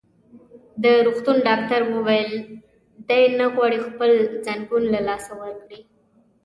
د روغتون ډاکټر وویل: دی نه غواړي خپل ځنګون له لاسه ورکړي.